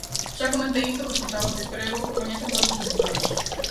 Xa comentei isto cos portavoces, pero é bo que o coñezan todos os deputados.